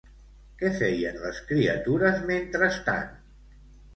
Què feien les criatures mentrestant?